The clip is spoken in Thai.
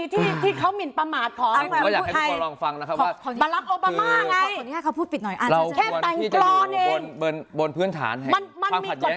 ที่จะอยู่บนความถะแย้งกันยังไงที่เราสามารถลัดฝังกันได้